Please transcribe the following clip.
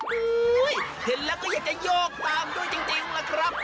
หู้ยแชทแล้วก็แยกให้โยกตามด้วยจริงล่ะครับ